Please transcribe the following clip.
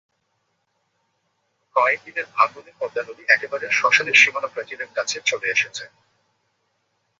কয়েক দিনের ভাঙনে পদ্মা নদী একেবারে শ্মশানের সীমানাপ্রাচীরের কাছে চলে এসেছে।